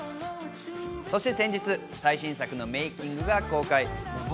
そして先日、最新作のメイキングが公開。